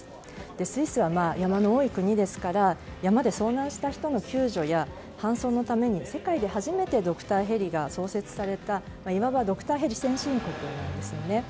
スイスは山の多い国ですから山で遭難した人の救助や搬送のために世界で初めてドクターヘリが創設されたいわばドクターヘリ先進国なんですね。